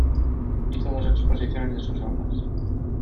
Hizo dos exposiciones de sus obras.